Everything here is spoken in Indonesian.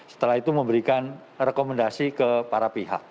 setelah itu memberikan rekomendasi ke para pihak